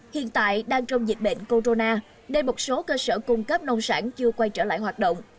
hiện tại đang trong dịch bệnh corona nên một số cơ sở cung cấp nông sản chưa quay trở lại hoạt động